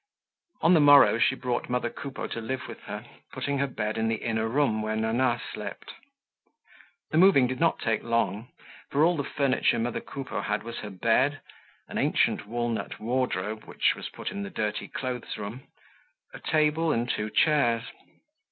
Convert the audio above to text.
On the morrow she brought mother Coupeau to live with her, putting her bed in the inner room where Nana slept. The moving did not take long, for all the furniture mother Coupeau had was her bed, an ancient walnut wardrobe which was put in the dirty clothes room, a table, and two chairs.